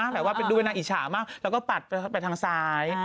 เหมือนกันน่าอิฉะมากแล้วก็ปัดไปทางซ้าย